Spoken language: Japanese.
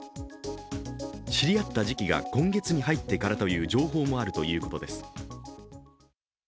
知り合った時期が今月に入ってからという情報もあるということです。